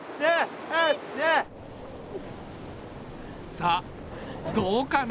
さあどうかな？